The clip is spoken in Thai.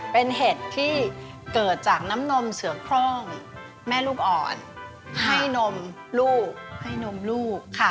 เป็นเห็ดที่เกิดจากน้ำนมเสือโคร่งแม่ลูกอ่อนให้นมลูก